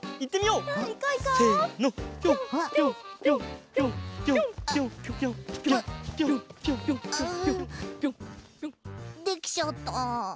ううできちゃった。